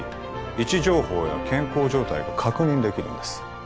位置情報や健康状態が確認できるんです